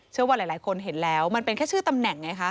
เชื่อว่าหลายคนเห็นแล้วมันเป็นแค่ชื่อตำแหน่งไงคะ